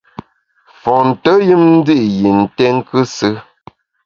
Fonte yùm ndi’ yi nté nkusù.